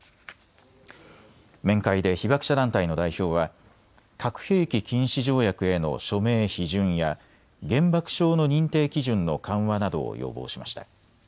面会で被爆者団体の代表は核兵器禁止条約への署名・批准や原爆症の認定基準の緩和などを要望しました。